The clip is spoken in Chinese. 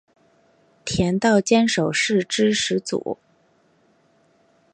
田道间守是之始祖。